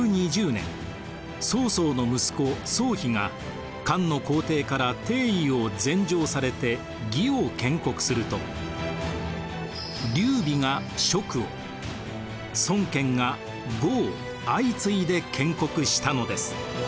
２２０年曹操の息子曹丕が漢の皇帝から帝位を禅譲されて魏を建国すると劉備が蜀を孫権が呉を相次いで建国したのです。